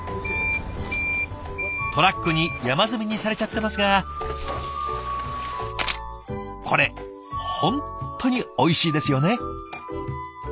トラックに山積みにされちゃってますがこれ本当においしいですよね。